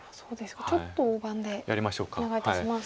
ちょっと大盤でお願いいたします。